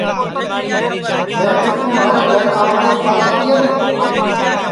میں چکُو مھارے گھر آوٹؔیس پالا تیانی